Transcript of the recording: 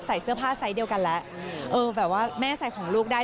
ใส่เสื้อผ้าไซส์เดียวกันแล้วเออแบบว่าแม่ใส่ของลูกได้